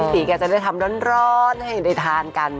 ตีแกจะได้ทำร้อนให้ได้ทานกัน